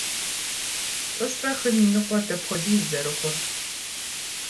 Плӏыщӏрэ хым и ныкъуэр дапхуэдиз зэрыхъур?